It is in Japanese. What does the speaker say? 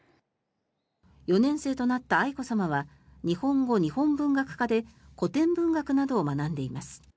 ４年生となった愛子さまは日本語日本文学科で古典文学などを学んでいます。